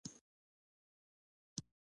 انتخابات به کېږي او حتمي به کېږي.